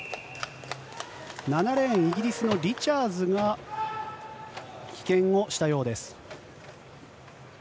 ７レーン、イギリスのリチャーズが棄権をしたようです。